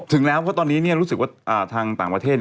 ถึงแล้วเพราะตอนนี้รู้สึกว่าทางต่างประเทศ